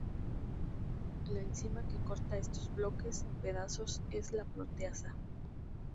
La enzima que corta estos bloques en pedazos es la proteasa.